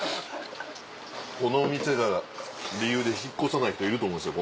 この店が理由で引っ越さない人いると思うんですよ